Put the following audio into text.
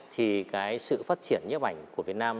thì cái sự phát triển nhếp ảnh của việt nam